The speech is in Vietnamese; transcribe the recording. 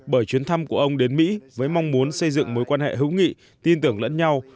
bởi chuyến thăm của ông đến mỹ với mong muốn xây dựng mối quan hệ hữu nghị tin tưởng lẫn nhau